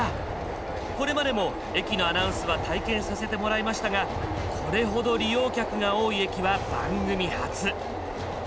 これまでも駅のアナウンスは体験させてもらいましたがこれほど利用客が多い駅は番組初。